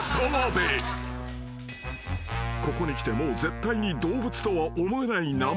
［ここにきてもう絶対に動物とは思えない名前が登場］